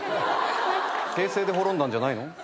平成で滅んだんじゃないの？